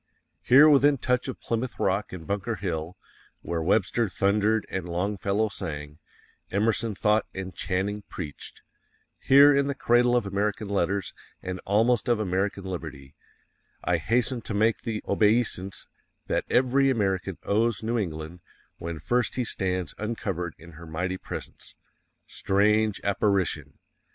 _ Here within touch of Plymouth Rock and Bunker Hill _WHERE WEBSTER THUNDERED and Longfellow sang, Emerson thought AND CHANNING PREACHED HERE IN THE CRADLE OF AMERICAN LETTERS and almost of American liberty,_ I hasten to make the obeisance that every American owes New England when first he stands uncovered in her mighty presence. _Strange apparition!